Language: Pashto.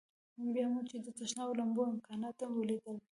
بیا مو چې د تشناب او لمبو امکانات ولیدل.